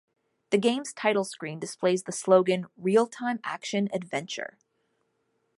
The game's title screen displays the slogan Realtime Action Adventure.